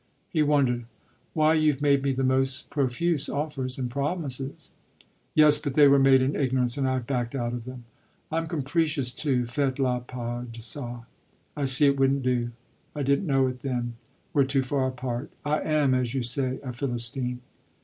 He wondered. "Why you've made me the most profuse offers and promises." "Yes, but they were made in ignorance and I've backed out of them. I'm capricious too faites la part de ça. I see it wouldn't do I didn't know it then. We're too far apart I am, as you say, a Philistine."